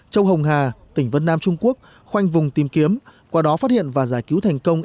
châu hồng hà tỉnh vân nam trung quốc khoanh vùng tìm kiếm qua đó phát hiện và giải cứu thành công